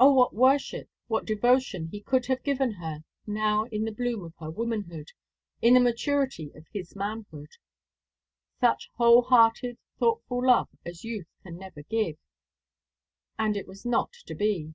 O, what worship, what devotion he could have given her now in the bloom of her womanhood, in the maturity of his manhood such whole hearted, thoughtful love as youth can never give! And it was not to be.